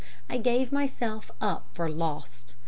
I gave myself up for lost.